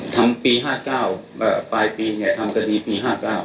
ทำปี๕๙ปลายปีไงทำคดีปี๕๙